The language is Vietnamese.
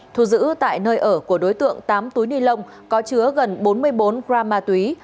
thu giữ tại nơi ở của đối tượng tám túi ni lông có chứa gần bốn mươi bốn gram ma túy